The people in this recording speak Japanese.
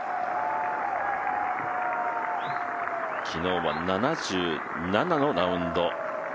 昨日は７７のラウンド。